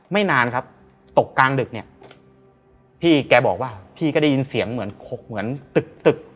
ไม่นานครับตกกลางดึกเนี่ยพี่แกบอกว่าพี่ก็ได้ยินเสียงเหมือนขกเหมือนตึกตึก